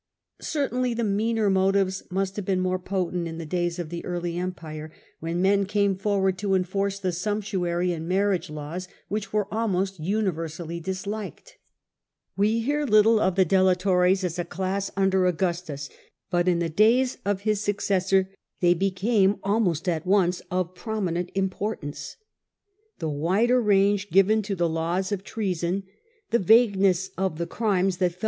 Certainly the meaner motives must have been most potent in the days of the early Empire, y^hen men came forward to enforce the sumptuary and marriage laws which were almost universally dis liked. We hear little of the delatores as a class under Augustus ; but in the days of his successor they became almost at once of prominen range given to the laws c of the crimes that fell wil 56 The Earlier Empire.